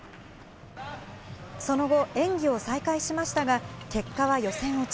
その後、演技を再開しましたが、結果は予選落ち。